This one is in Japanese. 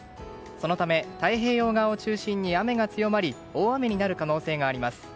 そのため、太平洋側を中心に雨が強まり大雨になる可能性があります。